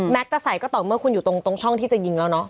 จะใส่ก็ต่อเมื่อคุณอยู่ตรงช่องที่จะยิงแล้วเนาะ